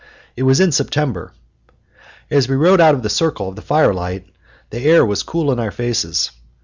It was in September. As we rode out of the circle of the firelight, the air was cool in our faces.